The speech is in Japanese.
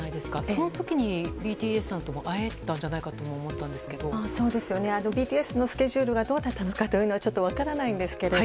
その時にＢＴＳさんとも会えたんじゃないかとＢＴＳのスケジュールがどうだったのかはちょっと分からないんですけど